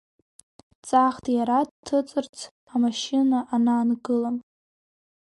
Дҵаахт иара, дҭыҵырц амашьына анаангыла.